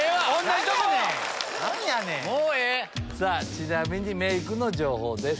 ちなみにメークの情報です。